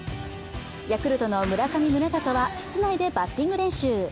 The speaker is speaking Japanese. ヤクルトの村上宗隆は、室内でバッティング練習。